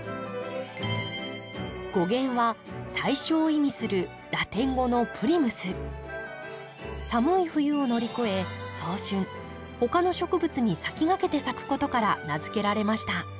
語源は「最初」を意味するラテン語の寒い冬を乗り越え早春他の植物に先駆けて咲くことから名付けられました。